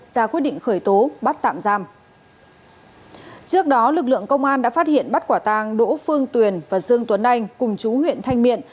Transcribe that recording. cơ quan công an đã phát hiện bắt quả tàng đỗ phương tuyền và dương tuấn anh cùng chú huyện thanh miện